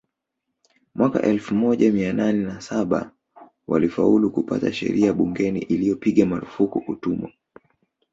Mwaka elfu moja mia nane na saba walifaulu kupata sheria bungeni iliyopiga marufuku utumwa